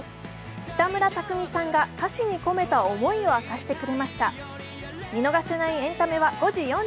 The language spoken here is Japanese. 北村匠海さんが歌詞に込めた思いを明かしてくれました。